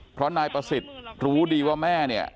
เพราะนายประสิทธิ์รู้ดีว่าแม่เนี่ย